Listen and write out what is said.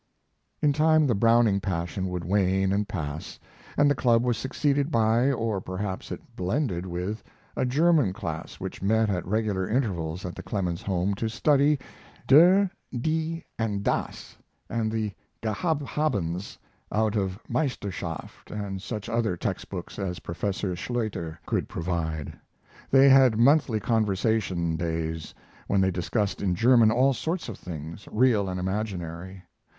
In time the Browning passion would wane and pass, and the club was succeeded by, or perhaps it blended with, a German class which met at regular intervals at the Clemens home to study "der, die, and das" and the "gehabt habens" out of Meisterschaft and such other text books as Professor Schleutter could provide. They had monthly conversation days, when they discussed in German all sorts of things, real and imaginary.